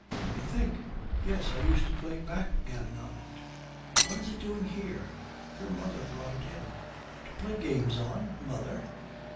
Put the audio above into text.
Let me think. Yes, I used to play backgammon on it. What is it doing here?' 'Your mother brought it in.' 'To play games on? Mother!'